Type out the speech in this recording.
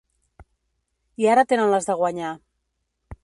I ara tenen les de guanyar.